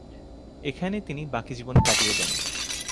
এখানেই তিনি বাকী জীবন কাটিয়ে দেন।